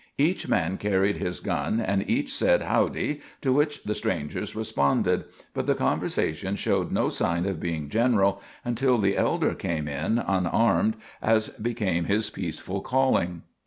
Each man carried his gun, and each said "Howdy," to which the strangers responded; but the conversation showed no signs of being general until the elder came in, unarmed, as became his peaceful calling.